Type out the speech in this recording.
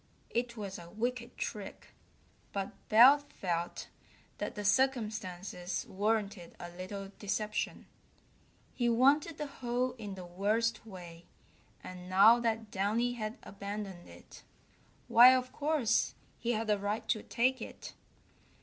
It was a wicked trick, but Belt felt that the circumstances warranted a little deception. He wanted the hole in the worst way, and now that Downy had abandoned it, why, of course, he had a right to take it.